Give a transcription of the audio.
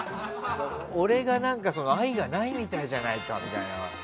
俺が愛がないみたいじゃないかみたいな。